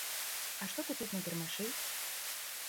А што купіць на кірмашы?